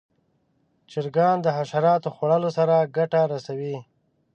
چرګان د حشراتو خوړلو سره ګټه رسوي.